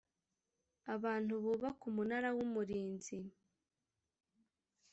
abantu bubaka umunara wumurinzi